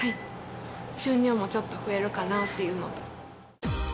収入もちょっと増えるかなっていうのと。